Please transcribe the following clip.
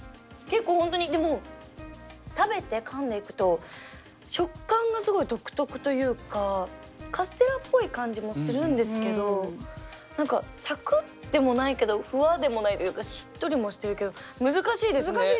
結構本当にでも食べてかんでいくと食感がすごい独特というかカステラっぽい感じもするんですけど何かサクでもないけどフワでもないというかしっとりもしてるけど難しいですね。